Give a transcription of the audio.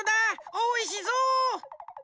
おいしそう。